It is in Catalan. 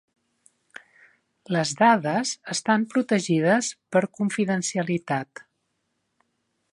Les dades estan protegides per confidencialitat.